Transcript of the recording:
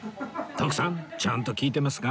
徳さんちゃんと聞いてますか？